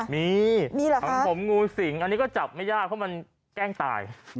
มีของผมงูสิงอันนี้ก็จับไม่ยากเพราะมันแกล้งตาย